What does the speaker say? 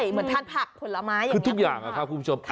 เหมือนทานผักผลไม้คือทุกอย่างนะครับคุณผู้ชม